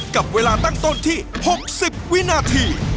กับเวลาตั้งต้นที่๖๐วินาที